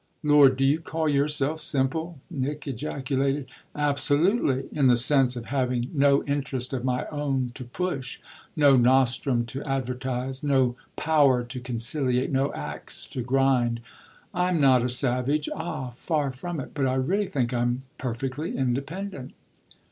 "Lord, do you call yourself simple?" Nick ejaculated. "Absolutely; in the sense of having no interest of my own to push, no nostrum to advertise, no power to conciliate, no axe to grind. I'm not a savage ah far from it! but I really think I'm perfectly independent."